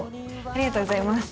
ありがとうございます。